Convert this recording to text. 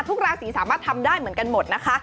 ทุกราศีสามารถทำได้เหมือนกันหมดนะคะ